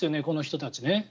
この人たちね。